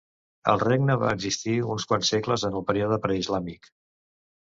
El regne va existir uns quants segles en el període preislàmic.